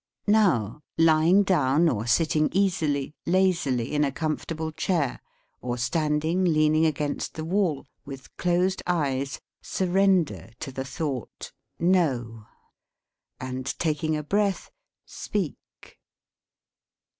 Now, lying down, or sitting easily, lazily, in a comfortable chair, or standing leaning against the wall, with closed eyes, surrender to the thought "No," and, taking a breath, speak.